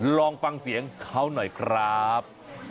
ลองฟังเสียงเขาหน่อยครับ